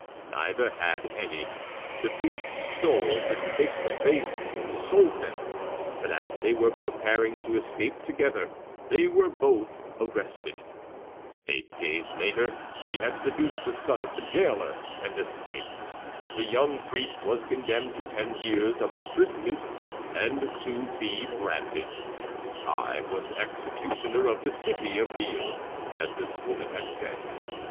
Neither had any. The priest stole the sacred vases, and sold them; but as they were preparing to escape together, they were both arrested. "Eight days later she had seduced the son of the jailer, and escaped. The young priest was condemned to ten years of imprisonment, and to be branded. I was executioner of the city of Lille, as this woman has said.